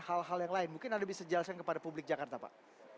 hal hal yang lain mungkin anda bisa jelaskan kepada publik jakarta pak